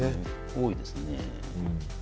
多いですね。